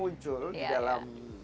muncul di dalam